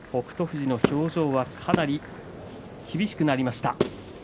富士の表情はかなり厳しくなりました。